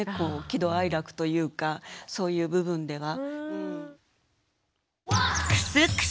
喜怒哀楽というかそういう部分では。